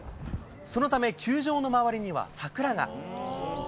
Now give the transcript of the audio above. そのため、球場の周りには桜が。